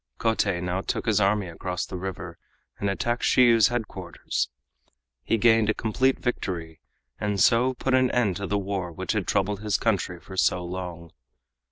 Kotei now took his army across the river, and attacked Shiyu's headquarters. He gained a complete victory, and so put an end to the war which had troubled his country for so long.